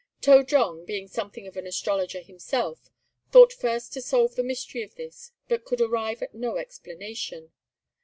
To jong, being something of an astrologer himself, thought first to solve the mystery of this, but could arrive at no explanation.